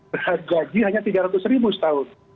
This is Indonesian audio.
berharga haji hanya rp tiga ratus setahun